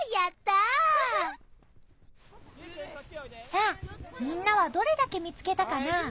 さあみんなはどれだけ見つけたかな？